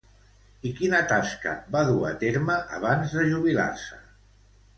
I quina tasca va dur a terme abans de jubilar-se?